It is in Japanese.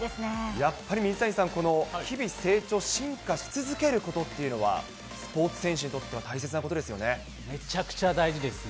やっぱり水谷さん、日々成長、進化し続けることっていうのはスポーツ選手にとっては大切なことめちゃくちゃ大事ですね。